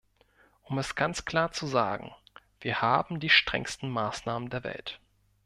Um es ganz klar zu sagen, wir haben die strengsten Maßnahmen der Welt.